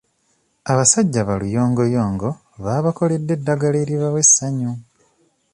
Abasajja baluyongoyongo baabakoledde eddagala eribawa essanyu.